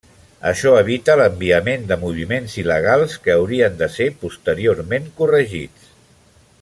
Això evita l'enviament de moviments il·legals, que haurien de ser posteriorment corregits.